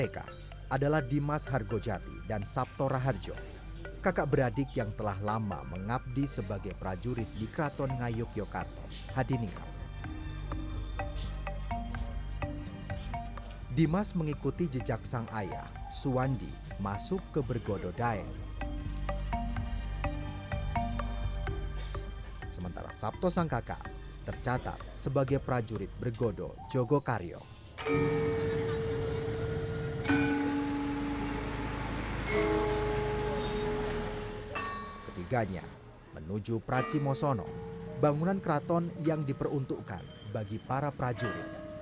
kota inggris telah berpengalaman dengan pemain gamelan serta prajurit yang paling kecil